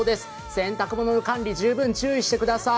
洗濯物の管理、十分注意してください。